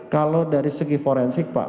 kalau dari segi forensik pak